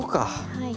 はい。